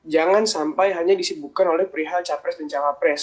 jangan sampai hanya disibukan oleh perihal capres dan cawapres